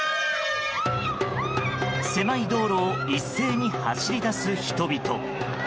狭い道路を一斉に走り出す人々。